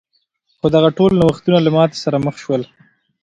خو دغه ټول نوښتونه له ماتې سره مخ شول.